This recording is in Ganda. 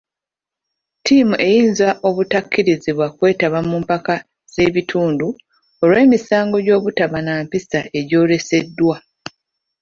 Ttiimu eyinza obutakkirizibwa kwetaba mu mpaka z'ebitundu olw'emisango gy'obutaba na mpisa egyoleseddwa.